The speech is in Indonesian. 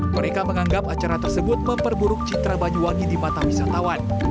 mereka menganggap acara tersebut memperburuk citra banyuwangi di mata wisatawan